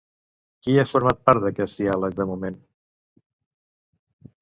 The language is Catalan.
Qui ha format part d'aquest diàleg de moment?